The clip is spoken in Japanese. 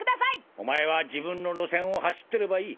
お前は自分の路線を走ってればいい。